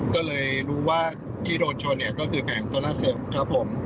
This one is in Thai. ก็เลยรู้ว่าที่โดนชนก็คือแผงโซร่าเซลล์ครับผม